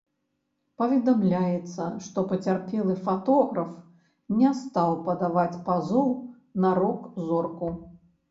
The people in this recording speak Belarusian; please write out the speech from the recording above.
Паведамляецца, што пацярпелы фатограф не стаў падаваць пазоў на рок-зорку.